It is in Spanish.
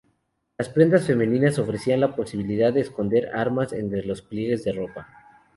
Las prendas femeninas ofrecían la posibilidad de esconder armas entre los pliegues de ropa.